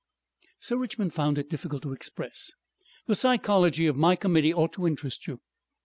Sir Richmond found it difficult to express. "The psychology of my Committee ought to interest you....